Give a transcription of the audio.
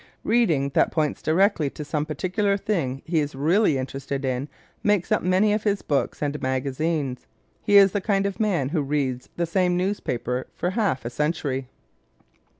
Reading that points directly to some particular thing he is really interested in makes up many of his books and magazines. He is the kind of man who reads the same newspaper for half a century.